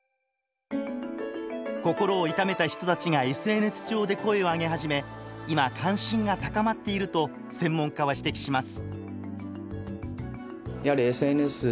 心を痛めた人たちがＳＮＳ上で声を上げ始め今関心が高まっていると専門家は指摘します。